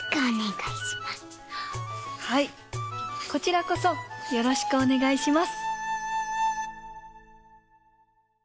はいこちらこそよろしくおねがいします。